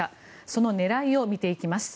その狙いを見ていきます。